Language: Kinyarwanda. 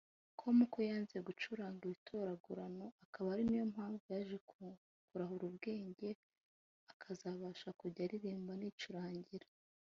com ko yanze gucuranga ibitoragurano akaba ariyo mpamvu yaje kurahura ubwenge akazabasha kujya aririmba anicurangira